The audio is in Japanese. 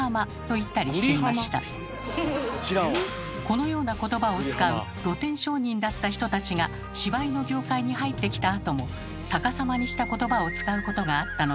このような言葉を使う露店商人だった人たちが芝居の業界に入ってきたあとも逆さまにした言葉を使うことがあったのです。